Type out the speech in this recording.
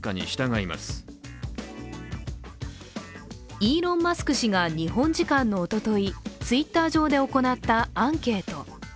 イーロン・マスク氏が日本時間のおととい、Ｔｗｉｔｔｅｒ上で行ったアンケート。